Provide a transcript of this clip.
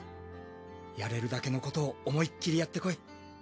やれるだけのことを思いっきりやってこい。